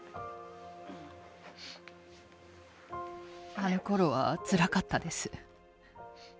あのころはつらかったです。